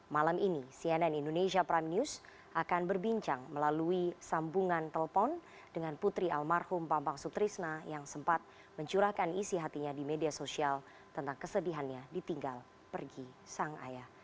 malam ini cnn indonesia prime news akan berbincang melalui sambungan telepon dengan putri almarhum bambang sutrisna yang sempat mencurahkan isi hatinya di media sosial tentang kesedihannya ditinggal pergi sang ayah